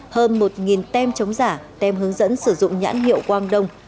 hơn một tem chống giả tem hướng dẫn sử dụng nhãn hiệu quang đông